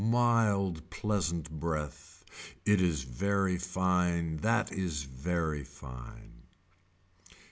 Mild pleasant breath. It is very fine that is very fine.